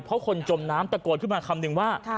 เพราะคนจมน้ำตะโกนขึ้นมาคำนึงว่า